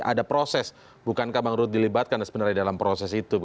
ada proses bukankah bang ruhut dilibatkan sebenarnya dalam proses itu